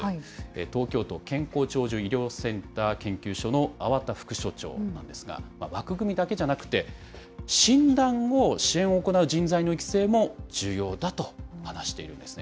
東京都健康長寿医療センター研究所の粟田副所長なんですが、枠組みだけじゃなくて、診断後、支援を行う人材の育成も重要だと話しているんですね。